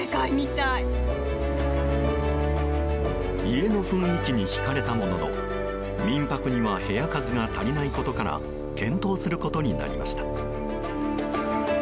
家の雰囲気に引かれたものの民泊には部屋数が足りないことから検討することになりました。